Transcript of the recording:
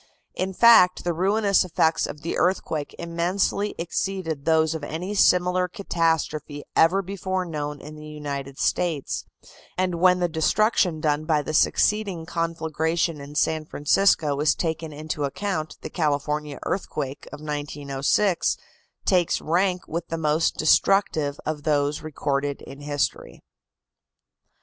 In fact, the ruinous effects of the earthquake immensely exceeded those of any similar catastrophe ever before known in the United States, and when the destruction done by the succeeding conflagration in San Francisco is taken into account the California earthquake of 1906 takes rank with the most destructive of those recorded in history.